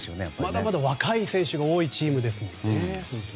まだまだ若い選手が多いチームですもんね。